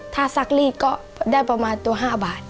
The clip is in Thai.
ถ้าซักรีดก็ได้ประมาณตัว๕บาท